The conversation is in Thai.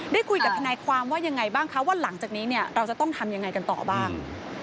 ได้คุยกับทนายความว่ายังไงบ้างคะว่าหลังจากนี้เนี่ยเราจะต้องทำยังไงกันต่อบ้าง